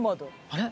あれ？